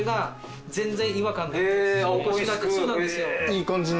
いい感じに？